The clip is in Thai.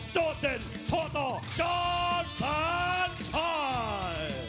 ดอตเต็นทอตโตจันทร์ชาย